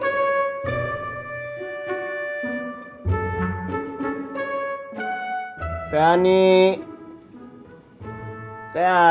tidak tidak tidak tidak